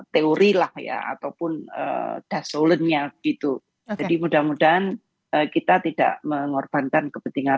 teori lah ya ataupun dasarnya gitu jadi mudah mudahan kita tidak mengorbankan kepentingan